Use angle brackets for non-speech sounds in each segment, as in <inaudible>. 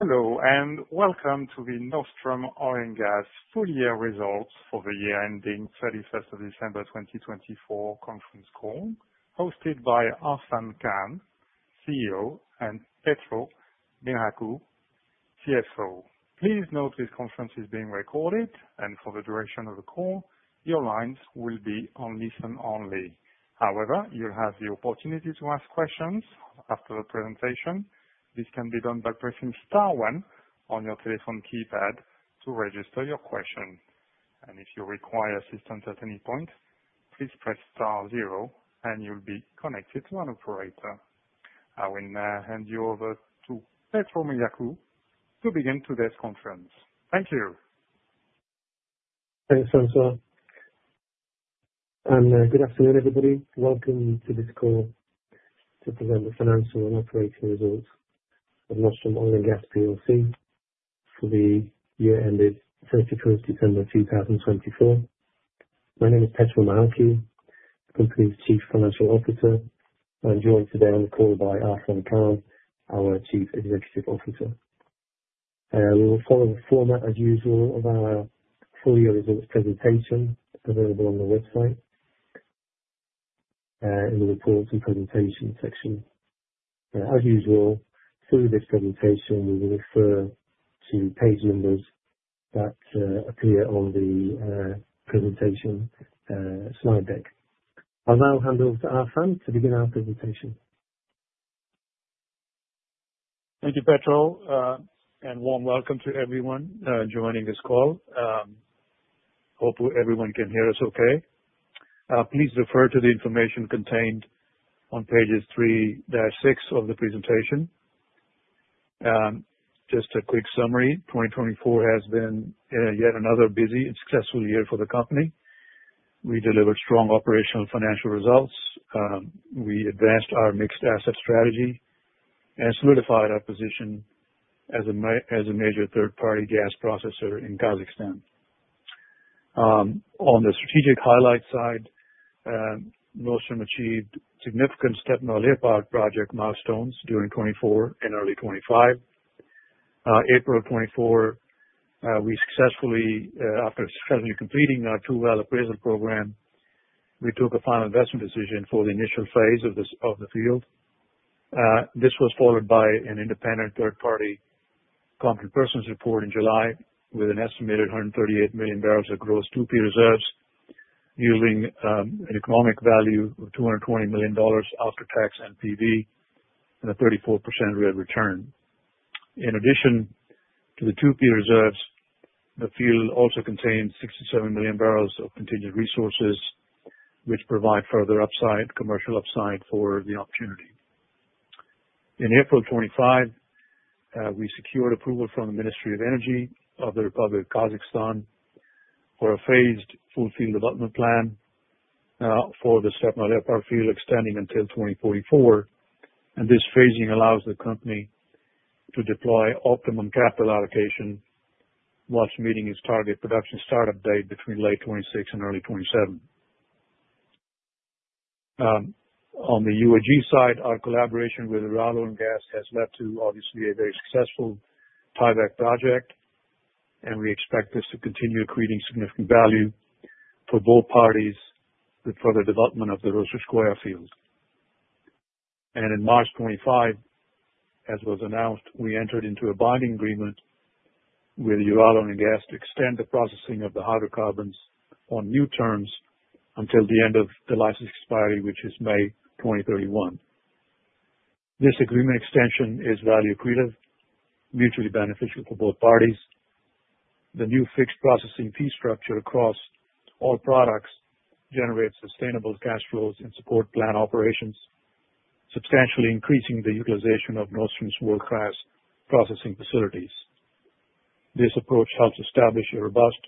Hello, and welcome to the Nostrum Oil & Gas Full Year results for the Year Ending 31st of December 2024 Conference Call, hosted by Arfan Khan, CEO, and Petro Mychalkiw, CFO. Please note this conference is being recorded, and for the duration of the call, your lines will be on listen only. However, you'll have the opportunity to ask questions after the presentation. This can be done by pressing star one on your telephone keypad to register your question. If you require assistance at any point, please press star zero, and you'll be connected to an operator. I will now hand you over to Petro Mychalkiw to begin today's conference. Thank you. Thanks, operator. Good afternoon, everybody. Welcome to this call to present the financial and operating results of Nostrum Oil & Gas Plc for the year ended 31st of December 2024. My name is Petro Mychalkiw. I'm the company's Chief Financial Officer, and I'm joined today on the call by Arfan Khan, our Chief Executive Officer. We will follow the format, as usual, of our full-year results presentation available on the website in the Reports and Presentations section. As usual, through this presentation, we will refer to page numbers that appear on the presentation slide deck. I'll now hand over to Arfan to begin our presentation. Thank you, Petro, and warm welcome to everyone joining this call. Hopefully, everyone can hear us okay. Please refer to the information contained on pages 3-6 of the presentation. Just a quick summary: 2024 has been yet another busy and successful year for the company. We delivered strong operational and financial results. We advanced our mixed asset strategy and solidified our position as a major third-party gas processor in Kazakhstan. On the strategic highlight side, Nostrum achieved significant Stepnoy Leopard project milestones during 2024 and early 2025. In April of 2024, after successfully completing our two-well appraisal program, we took a final investment decision for the initial phase of the field. This was followed by an independent third-party competent persons report in July with an estimated 138 million barrels of gross 2P reserves, yielding an economic value of $220 million after tax and PV, and a 34% real return. In addition to the 2P reserves, the field also contains 67 million barrels of contingent resources, which provide further commercial upside for the opportunity. In April of 2025, we secured approval from the Ministry of Energy of the Republic of Kazakhstan for a phased full-field development plan for the Stepnoy Leopard Field extending until 2044. This phasing allows the company to deploy optimum capital allocation, much meeting its target production startup date between late 2026 and early 2027. On the UOG side, our collaboration with Ural Oil and Gas has led to, obviously, a very successful <audio distortion> project, and we expect this to continue accreting significant value for both parties with further development of the Rozhkovskoye field. In March 2025, as was announced, we entered into a binding agreement with Ural Oil and Gas to extend the processing of the hydrocarbons on new terms until the end of the license expiry, which is May 2031. This agreement extension is value-creative, mutually beneficial for both parties. The new fixed processing fee structure across all products generates sustainable cash flows and supports planned operations, substantially increasing the utilization of Nostrum's world-class processing facilities. This approach helps establish a robust,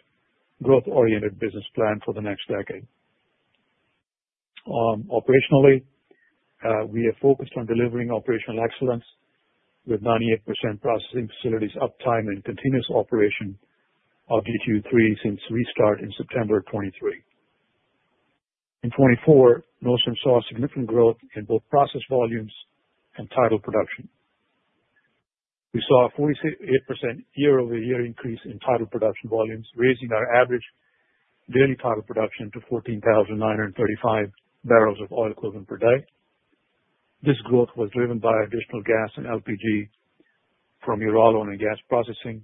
growth-oriented business plan for the next decade. Operationally, we have focused on delivering operational excellence with 98% processing facilities uptime and continuous operation of the Q3 since restart in September 2023. In 2024, Nostrum saw significant growth in both process volumes and title production. We saw a 48% year-over-year increase in title production volumes, raising our average daily title production to 14,935 barrels of oil equivalent per day. This growth was driven by additional gas and LPG from Ural Oil and Gas Processing,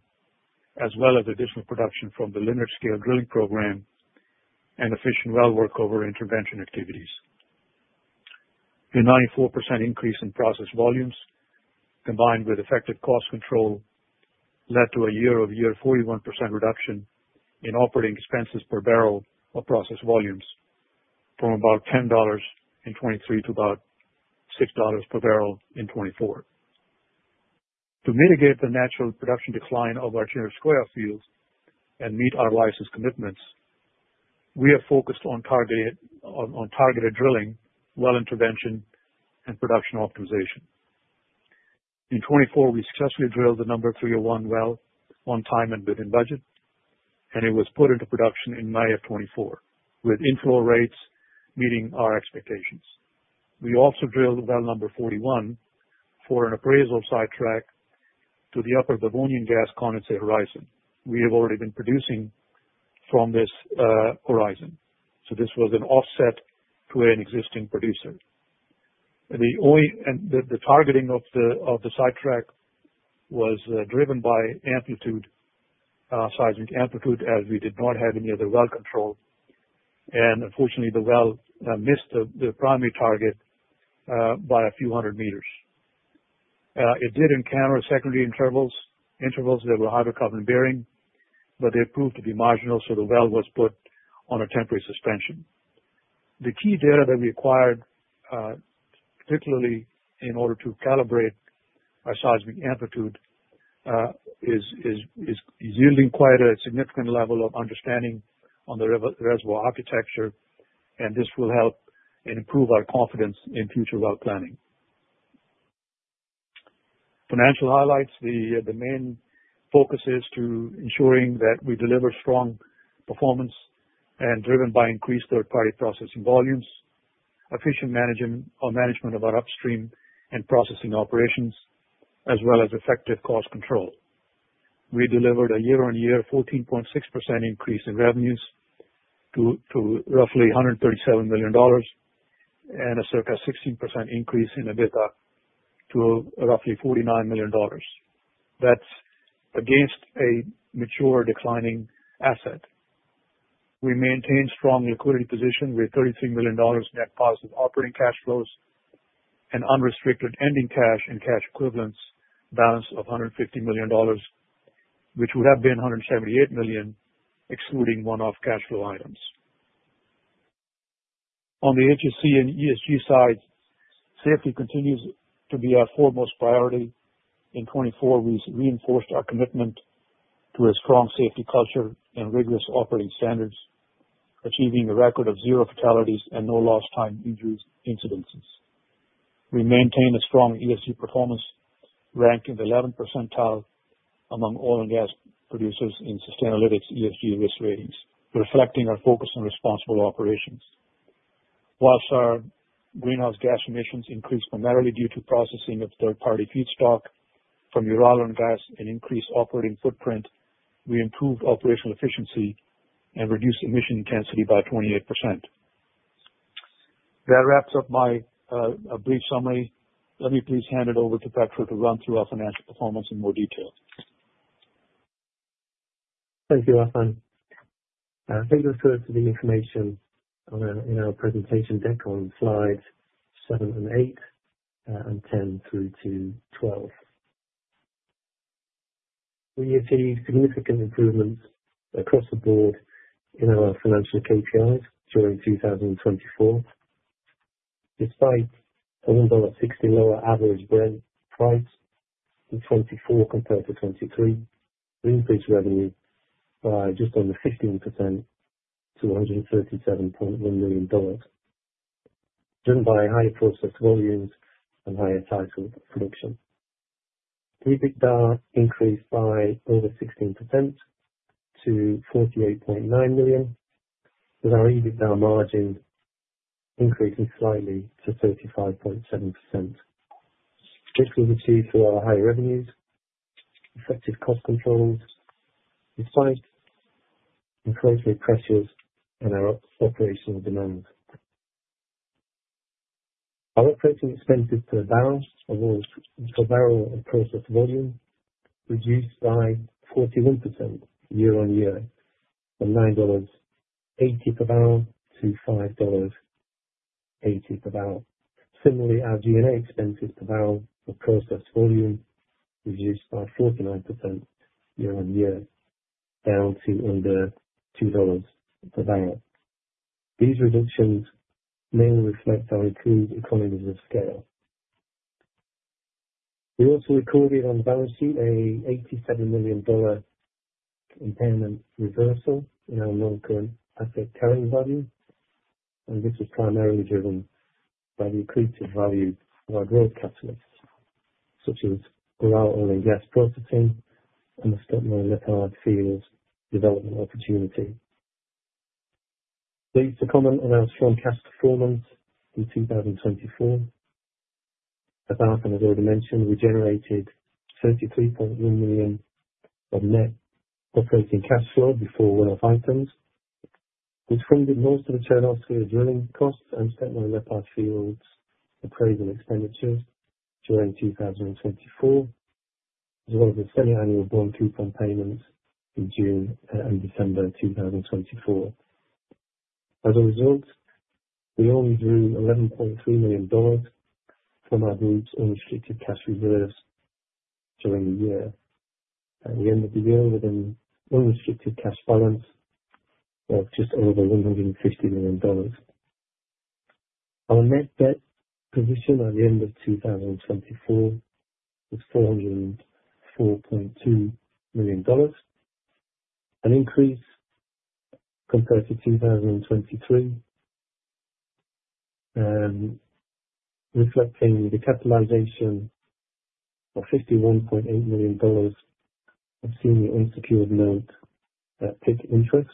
as well as additional production from the limited-scale drilling program and efficient well workover intervention activities. A 94% increase in process volumes, combined with effective cost control, led to a year-over-year 41% reduction in operating expenses per barrel of process volumes from about $10 in 2023 to about $6 per barrel in 2024. To mitigate the natural production decline of our general square fields and meet our license commitments, we have focused on targeted drilling, well intervention, and production optimization. In 2024, we successfully drilled the No.301 well on time and within budget, and it was put into production in May of 2024, with inflow rates meeting our expectations. We also drilled well No.41 for an appraisal sidetrack to the upper Devonian gas-condensate horizon. We have already been producing from this horizon, so this was an offset to an existing producer. The targeting of the sidetrack was driven by amplitude, as we did not have any other well control. Unfortunately, the well missed the primary target by a few hundred meters. It did encounter secondary intervals that were hydrocarbon bearing, but they proved to be marginal, so the well was put on a temporary suspension. The key data that we acquired, particularly in order to calibrate our seismic amplitude, is yielding quite a significant level of understanding on the reservoir architecture, and this will help and improve our confidence in future well planning. Financial highlights: the main focus is to ensuring that we deliver strong performance and driven by increased third-party processing volumes, efficient management of our upstream and processing operations, as well as effective cost control. We delivered a year-on-year 14.6% increase in revenues to roughly $137 million and a circa 16% increase in EBITDA to roughly $49 million. That's against a mature declining asset. We maintained strong liquidity position with $33 million net positive operating cash flows and unrestricted ending cash and cash equivalents balance of $150 million, which would have been $178 million, excluding one-off cash flow items. On the HSC and ESG side, safety continues to be our foremost priority. In 2024, we reinforced our commitment to a strong safety culture and rigorous operating standards, achieving a record of zero fatalities and no lost-time injury incidences. We maintain a strong ESG performance, ranking the 11th percentile among oil and gas producers in Sustainalytics' ESG Risk Ratings, reflecting our focus on responsible operations. Whilst our greenhouse gas emissions increased primarily due to processing of third-party feedstock from Ural Oil and Gas and increased operating footprint, we improved operational efficiency and reduced emission intensity by 28%. That wraps up my brief summary. Let me please hand it over to Petro to run through our financial performance in more detail. Thank you, Arfan. Thank you for the information in our presentation deck on slides 7 and 8 and 10 through to 12. We achieved significant improvements across the board in our financial KPIs during 2024. Despite $1.60 lower average Brent price in 2024 compared to 2023, we increased revenue by just under 15% to $137.1 million, driven by higher process volumes and higher title production. EBITDA increased by over 16% to $48.9 million, with our EBITDA margin increasing slightly to 35.7%, strictly achieved through our high revenues, effective cost controls, despite inflationary pressures and our operational demand. Our operating expenses per barrel of process volume reduced by 41% year-on-year from $9.80 per barrel to $5.80 per barrel. Similarly, our G&A expenses per barrel of process volume reduced by 49% year-on-year down to under $2 per barrel. These reductions mainly reflect our improved economies of scale. We also recorded on balance sheet an $87 million impairment reversal in our non-current asset carrying value, and this was primarily driven by the accretive value of our growth catalysts, such as Ural Oil and Gas processing and the Stepnoy Leopard Field's development opportunity. Dates to comment on our strong cash performance in 2024, as Arfan has already mentioned, we generated $33.1 million of net operating cash flow before well, <audio distortion> which funded most of the turnover through drilling costs and Stepnoy Leopard Field's appraisal expenditures during 2024, as well as the semi-annual bond coupon payments in June and December 2024. As a result, we only drew $11.3 million from our group's unrestricted cash reserves during the year, and we ended the year with an unrestricted cash balance of just over $150 million. Our net debt position at the end of 2024 was $404.2 million, an increase compared to 2023, reflecting the capitalization of $51.8 million of senior unsecured loans at peak interest,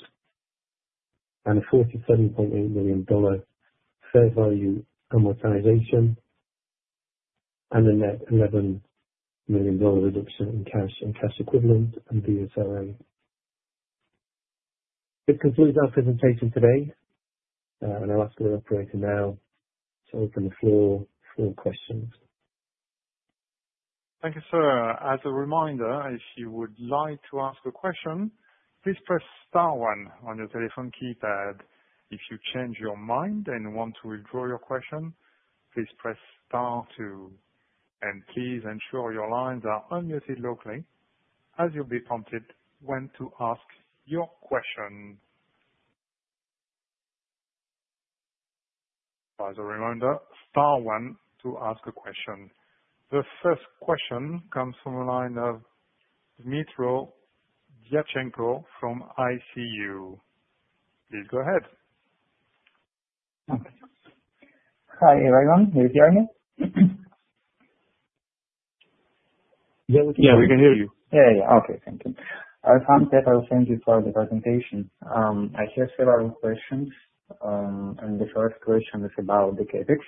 and a $47.8 million fair value amortization, and a net $11 million reduction in cash and cash equivalent in BSRA. This concludes our presentation today, and I'll ask the operator now to open the floor for questions. Thank you, sir. As a reminder, if you would like to ask a question, please press star one on your telephone keypad. If you change your mind and want to withdraw your question, please press star two. Please ensure your lines are unmuted locally, as you'll be prompted when to ask your question. As a reminder, star one to ask a question. The first question comes from a line of Dmytro Dyachenko from ICU. Please go ahead. Hi everyone, can you hear me? Yeah, we can hear you. Yeah, yeah, okay, thank you. Arfan, thank you for the presentation. I hear several questions, and the first question is about the CapEx.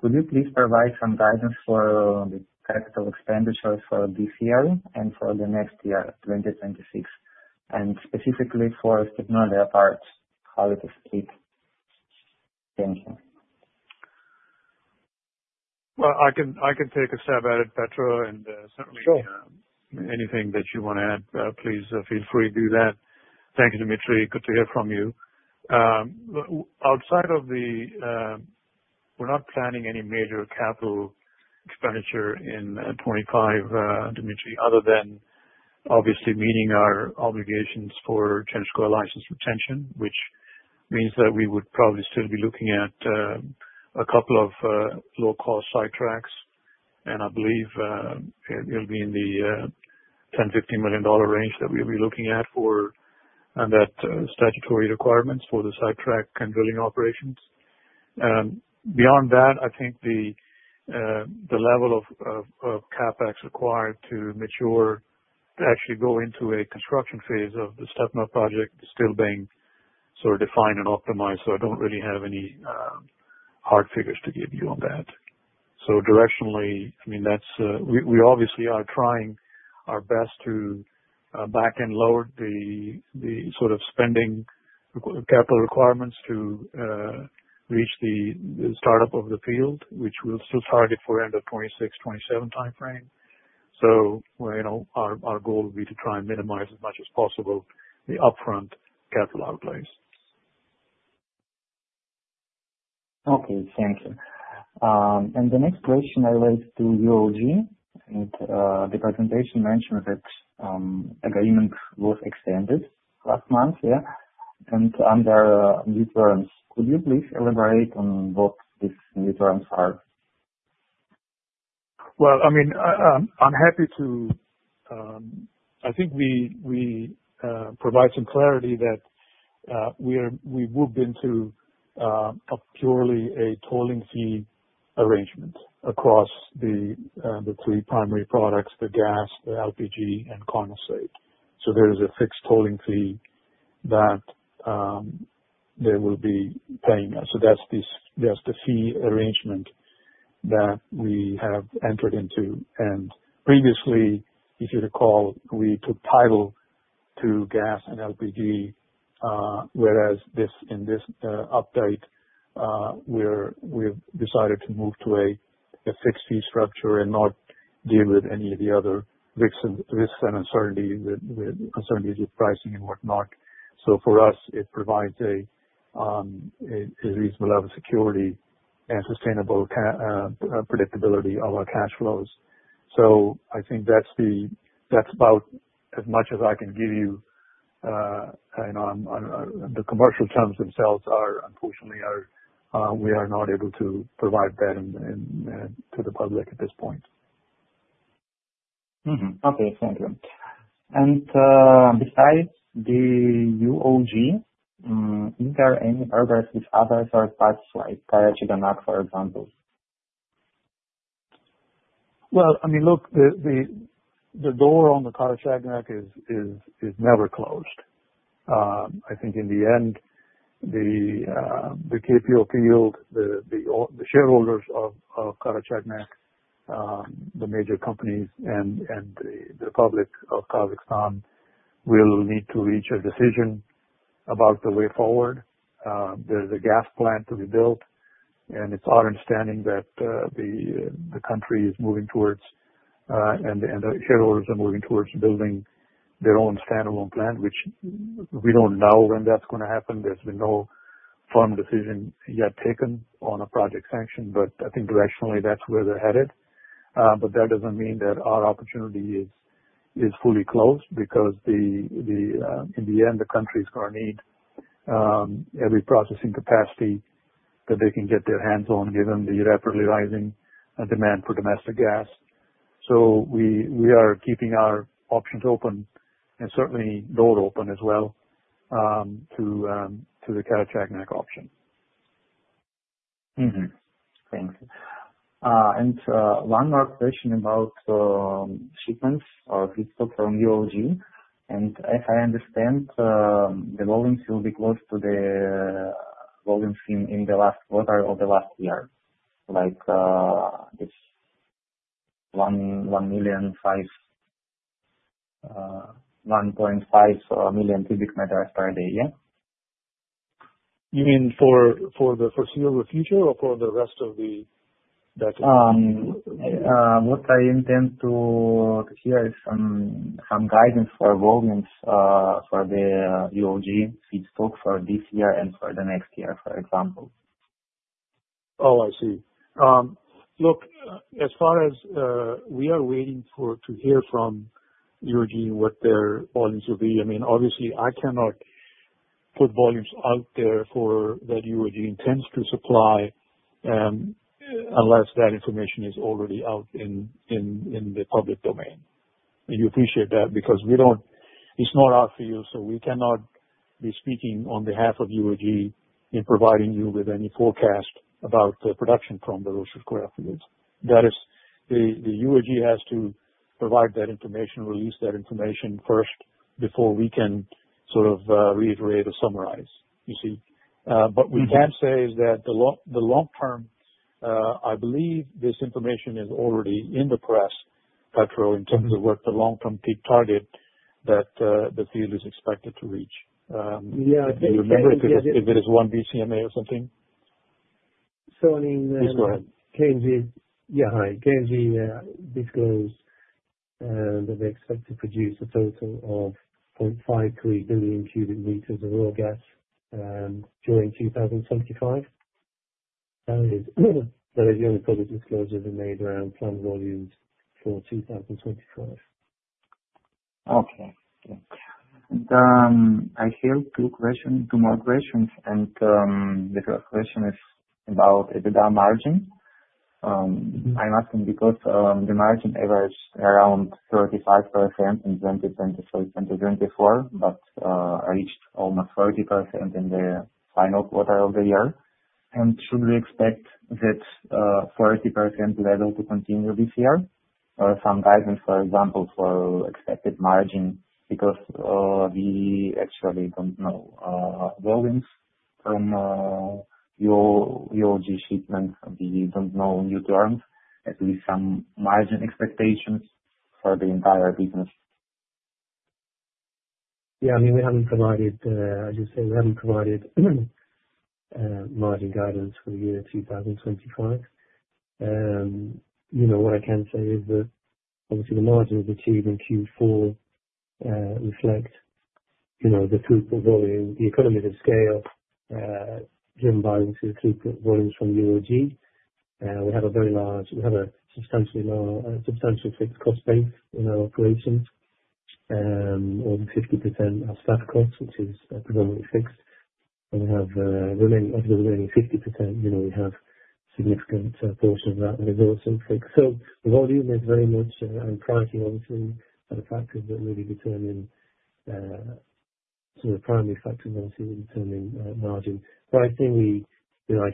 Could you please provide some guidance for the capital expenditures for this year and for the next year, 2026, and specifically for <audio distortion> Stepnoy Leopard, how it is paid? Thank you. I can take a stab at it, Petro, and certainly anything that you want to add, please feel free to do that. Thanks, Dmytro. Good to hear from you. Outside of the, we're not planning any major capital expenditure in 2025, Dmytro, other than obviously meeting our obligations for <audio distortion> license retention, which means that we would probably still be looking at a couple of low-cost sidetracks. I believe it'll be in the $10 million-15 million range that we'll be looking at for that statutory requirements for the sidetrack and drilling operations. Beyond that, I think the level of CapEx required to mature to actually go into a construction phase of the Stepnoy project is still being sort of defined and optimized, so I don't really have any hard figures to give you on that. Directionally, I mean, we obviously are trying our best to back and lower the sort of spending capital requirements to reach the startup of the field, which we still target for end of 2026-2027 timeframe. Our goal would be to try and minimize as much as possible the upfront capital outlays. Okay, thank you. The next question relates to UOG. The presentation mentioned that agreement was extended last month, yeah? Under new terms, would you please elaborate on what these new terms are? I mean, I'm happy to, I think we provide some clarity that we've moved into purely a tolling fee arrangement across the three primary products, the gas, the LPG, and condensate. There is a fixed tolling fee that they will be paying. That's the fee arrangement that we have entered into. Previously, if you recall, we took title to gas and LPG, whereas in this update, we've decided to move to a fixed fee structure and not deal with any of the other risks and uncertainties, the uncertainties of pricing and whatnot. For us, it provides a reasonable level of security and sustainable predictability of our cash flows. I think that's about as much as I can give you. The commercial terms themselves, unfortunately, we are not able to provide that to the public at this point. Okay, thank you. And besides the UOG, is there any progress with other third-party suppliers, like Karachaganak, for example? I mean, look, the door on the Karachaganak is never closed. I think in the end, the KPO field, the shareholders of Karachaganak, the major companies, and the Republic of Kazakhstan will need to reach a decision about the way forward. There is a gas plant to be built, and it is our understanding that the country is moving towards, and the shareholders are moving towards building their own standalone plant, which we do not know when that is going to happen. There has been no firm decision yet taken on a project sanction, but I think directionally, that is where they are headed. That does not mean that our opportunity is fully closed because in the end, the country is going to need every processing capacity that they can get their hands on, given the rapidly rising demand for domestic gas. We are keeping our options open and certainly the door open as well to the Karachaganak option. Thanks. One more question about shipments or feedstock from UOG. If I understand, the volumes will be close to the volumes in the last quarter of last year, like this 1.5 million cubic meters per day, yeah? You mean for the foreseeable future or for the rest of the decade? What I intend to hear is some guidance for volumes for the UOG feedstock for this year and for the next year, for example. Oh, I see. Look, as far as we are waiting to hear from UOG, what their volumes will be, I mean, obviously, I cannot put volumes out there for what UOG intends to supply unless that information is already out in the public domain. You appreciate that because it's not our field, so we cannot be speaking on behalf of UOG in providing you with any forecast about the production from the Rozhkovskoye field. UOG has to provide that information, release that information first before we can sort of reiterate or summarize, you see. What we can say is that the long term, I believe this information is already in the press, Petro, in terms of what the long-term peak target that the field is expected to reach. Do you remember if it is one bcma or something? I mean. Please go ahead. KNG, yeah, hi. KNG disclosed that they expect to produce a total of 0.53 billion cubic meters of oil gas during 2025. That is the only public disclosure they made around plant volumes for 2025. Okay. I have two questions, two more questions. The first question is about EBITDA margin. I'm asking because the margin averaged around 35% in 2023-2024, but reached almost 30% in the final quarter of the year. Should we expect that 30% level to continue this year? Some guidance, for example, for expected margin because we actually don't know volumes from UOG shipments. We don't know new terms, at least some margin expectations for the entire business. Yeah, I mean, we haven't provided, as you say, we haven't provided margin guidance for the year 2025. You know what I can say is that obviously the margins of Q1 and Q4 reflect the throughput volume, the economies of scale driven by throughput volumes from UOG. We have a very large, we have a substantial fixed cost base in our operations, over 50% of staff costs, which is predominantly fixed. We have over the remaining 50%, you know we have a significant portion of that that is also fixed. Volume is very much an entirety of the factors that really determine the primary factors that really determine margin. Right, I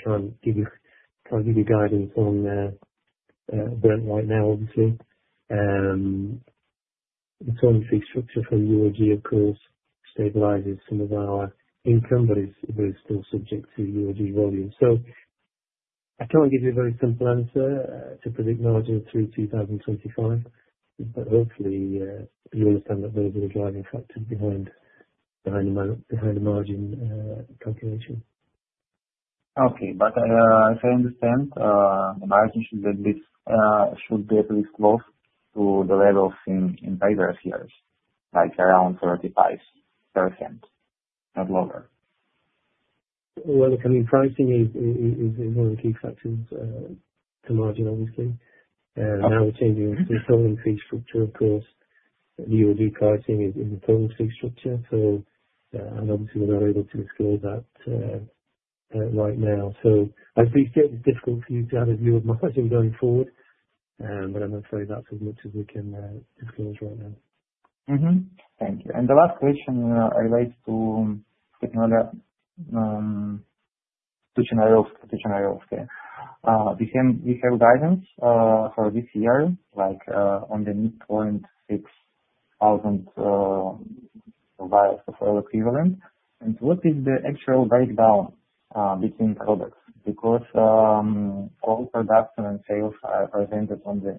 can't give you guidance on that right now, obviously. The current fixed structure for UOG, of course, stabilizes some of our income, but it's still subject to UOG volume. I can't give you a very simple answer to predict margin through 2025, but hopefully you'll understand that there's a lot of guidance factors behind the margin calculation. Okay, but as I understand, the margin should be at least close to the levels in previous years, like around 35%, not lower. I mean, pricing is one of the key factors to margin, obviously. Now we're changing to the tolling fee structure, of course. The UOG pricing is in the tolling fee structure, so I'm not sure we're able to disclose that right now. I think it's difficult for you to have a view of my questions going forward, but I'm going to try that as much as we can disclose right now. Thank you. The last question relates to digital healthcare. We have guidance for this year, like on the midpoint 6,000 for equivalent. What is the actual breakdown between products? Because all production and sales are presented on the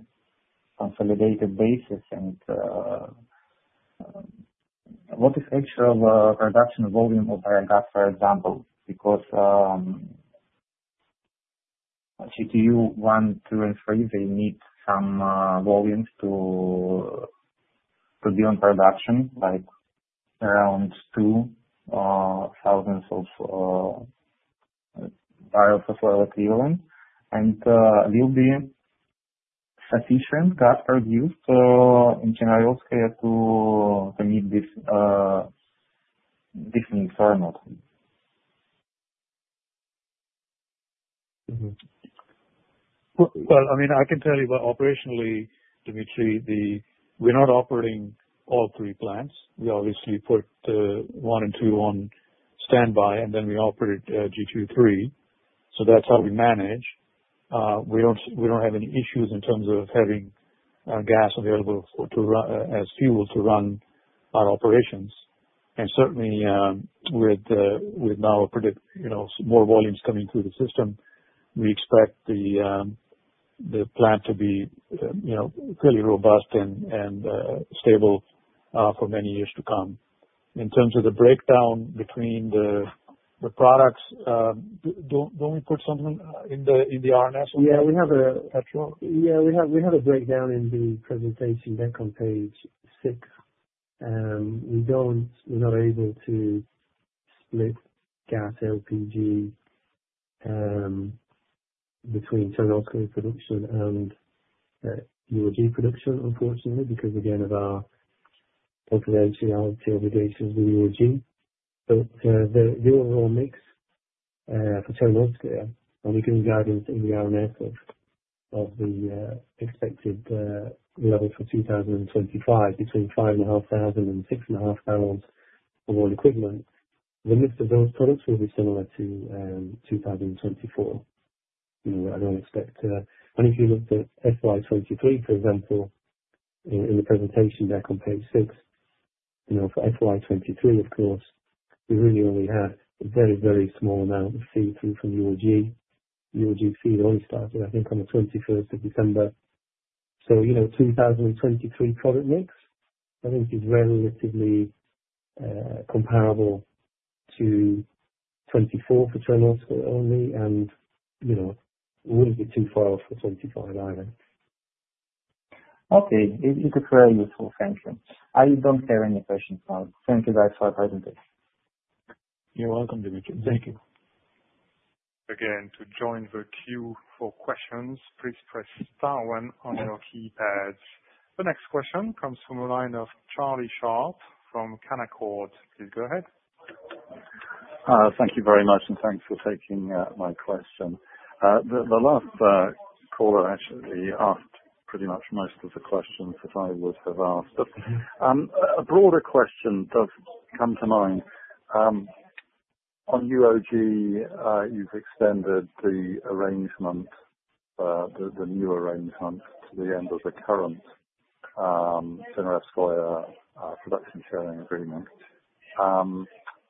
consolidated basis. What is the actual production volume of oil gas, for example? Because GTU 1, 2, and 3, they need some volumes to be on production, like around 2,000 barrel of oil equivalent. Will the sufficient gas produced in general care meet this need or not? I mean, I can tell you what operationally, Dmytro, we're not operating all three plants. We obviously put one and two on standby, and then we operate GTU 3. That's how we manage. We don't have any issues in terms of having gas available as fuel to run our operations. Certainly, with now more volumes coming through the system, we expect the plant to be fairly robust and stable for many years to come. In terms of the breakdown between the products, don't we put something in the R&S? Yeah, we have a breakdown in the presentation back on page six. We're not able to split gas, LPG, between turn-off screen production and UOG production, unfortunately, because again, of our operational obligations with UOG. But the overall mix for turn-off scale, and we're giving guidance in the R&S of the expected level for 2025, between 5,500 and 6,500 of all equipment, the mix of those products will be similar to 2024. I don't expect, and if you look at FY2023, for example, in the presentation back on page six, for FY2023, of course, we really only have a very, very small amount of feed through UOG. UOG feed only started, I think, on the 21st of December. You know 2023 product mix, I think, is relatively comparable to 2024 for turn-offs only, and it wouldn't be too far off for 2025 either. Okay, it was very useful. Thank you. I don't have any questions now. Thank you guys for your presentation. You're welcome, Dmytro. Thank you. Again, to join the queue for questions, please press star one on your keypads. The next question comes from a line of Charlie Sharp from Canaccord. Please go ahead. Thank you very much, and thanks for taking my question. The last caller actually asked pretty much most of the questions I would have asked. A broader question does come to mind. On UOG, you've extended the new arrangement to the end of the current Production Sharing Agreement,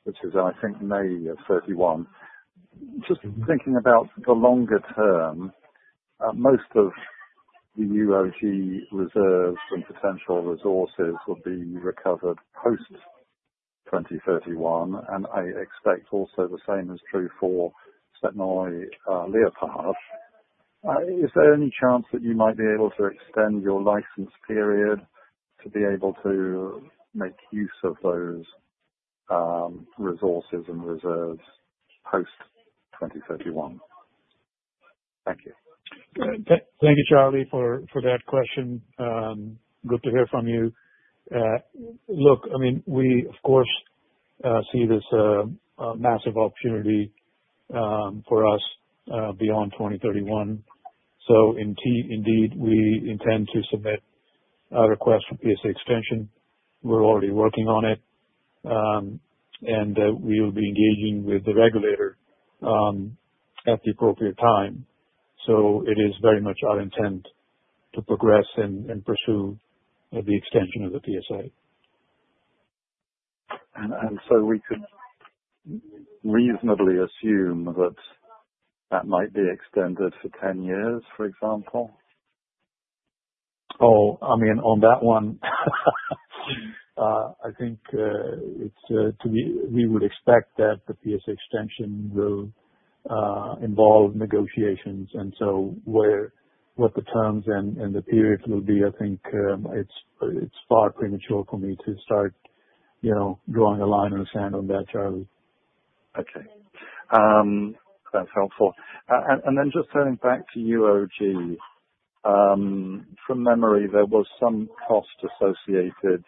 which is, I think, May of 2031. Just thinking about the longer term, most of the UOG reserves and potential resources will be recovered post-2031, and I expect also the same is true for Stepnoy Leopard. Is there any chance that you might be able to extend your license period to be able to make use of those resources and reserves post-2031? Thank you. Thank you, Charlie, for that question. Good to hear from you. Look, I mean, we, of course, see this massive opportunity for us beyond 2031. Indeed, we intend to submit a request for PSA extension. We're already working on it, and we will be engaging with the regulator at the appropriate time. It is very much our intent to progress and pursue the extension of the PSA. We could reasonably assume that that might be extended for 10 years, for example? Oh, I mean, on that one, I think we would expect that the PSA extension will involve negotiations. What the terms and the periods will be, I think it's far premature for me to start drawing a line in the sand on that, Charlie. Okay. That's helpful. Just turning back to UOG, from memory, there was some cost associated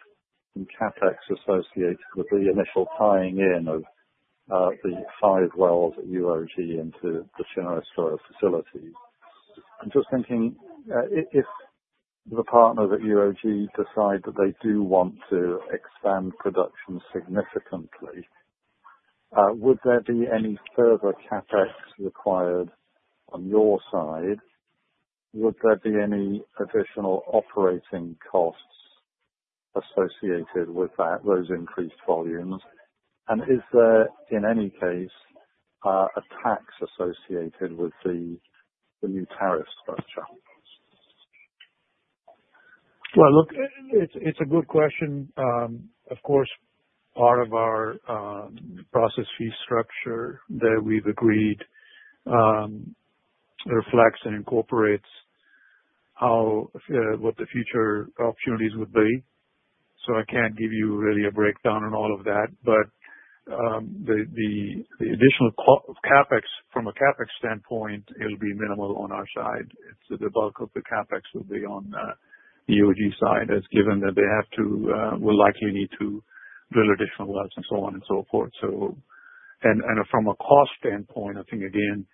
and CapEx associated with the initial tying in of the five wells at UOG into the Rozhkovskoye facilities. I'm just thinking, if the partner at UOG decides that they do want to expand production significantly, would there be any further CapEx required on your side? Would there be any additional operating costs associated with those increased volumes? Is there, in any case, a tax associated with the new tariff structure? Look, it's a good question. Of course, part of our process fee structure that we've agreed reflects and incorporates what the future opportunities would be. I can't give you really a breakdown on all of that. The additional CapEx, from a CapEx standpoint, it'll be minimal on our side. The bulk of the CapEx will be on the UOG side, given that they will likely need to drill additional wells and so on and so forth. From a cost standpoint, I think, again,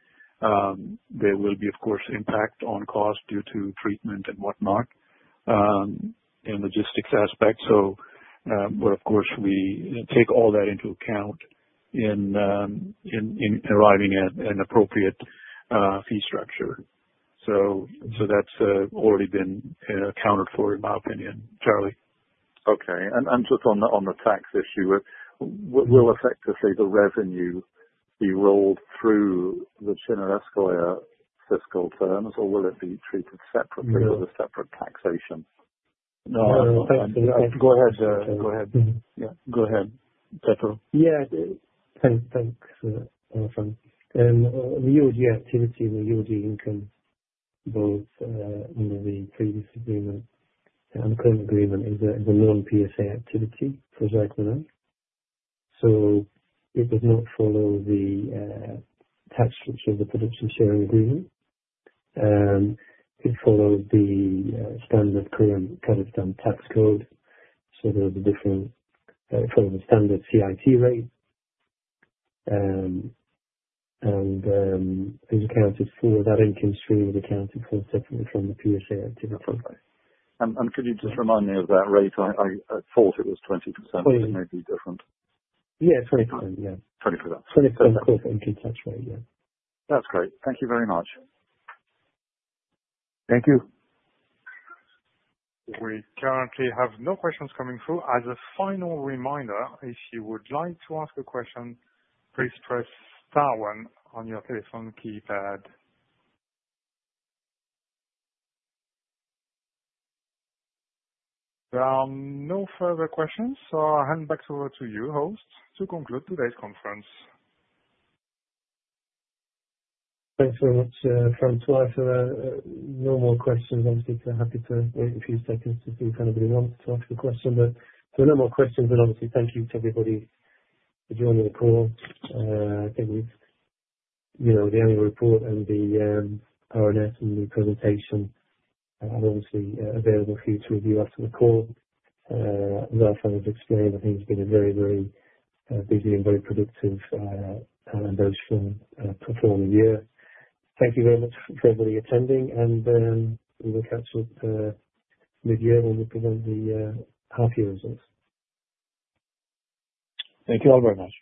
there will be, of course, impact on cost due to treatment and whatnot and logistics aspects. Of course, we take all that into account in arriving at an appropriate fee structure. That's already been accounted for, in my opinion, Charlie. Okay. Just on the tax issue, will effectively the revenue be rolled through the Rozhkovskoye fiscal terms, or will it be treated separately with a separate taxation? No, no. Go ahead. Go ahead, Petro. Yeah, thanks Arfan. The UOG activity, the UOG income, both under the previous agreement and the current agreement, is the non-PSA activity for Zhaikmunai. It does not follow the tax structure of the production sharing agreement. It follows the standard current tax code. There will be different, it follows the standard CIT rate. As you can see, that income stream is accounted for separately from the PSA activity. I'm sure you just remind me of that rate. I thought it was 20%, but it may be different. Yeah, 20%, yeah. 20%. 20% corporate income tax rate, yeah. That's great. Thank you very much. Thank you. We currently have no questions coming through. As a final reminder, if you would like to ask a question, please press star one on your telephone keypad. There are no further questions, so I'll hand back over to you, host, to conclude today's conference. Thanks very much, François. No more questions. Obviously, I'm happy to wait a few seconds to see if anybody wants to ask a question. If there are no more questions, then obviously, thank you to everybody for joining the call. I think the annual report and the R&S and the presentation are obviously available for you to review after the call. As I've kind of explained, I think it's been a very, very busy and very productive and emotional performance year. Thank you very much for everybody attending, and we will catch up mid-year when we present the half-year results. Thank you all very much.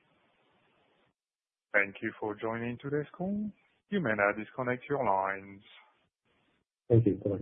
Thank you for joining today's call. You may now disconnect your lines. Thank you.